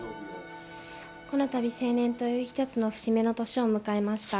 このたび、成年という一つの節目の年を迎えました。